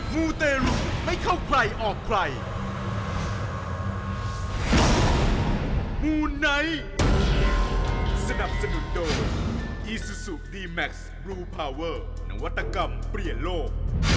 มูไนท์สนับสนุนโดอีซูสูสูดีแม็คซ์บลูเพวอร์นวัตกรรมเปลี่ยนโลก